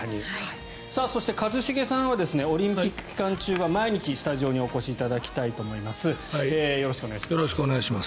そして、一茂さんはオリンピック期間中は毎日スタジオにお越しいただきたいと思います。